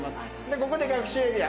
ここ学習エリア。